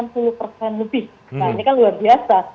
nah ini kan luar biasa